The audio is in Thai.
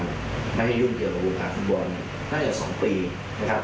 ไม่ให้ยุ่งเกี่ยวกับวงการฟุตบอลน่าจะ๒ปีนะครับ